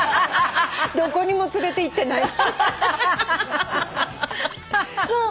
どこにも連れていってない。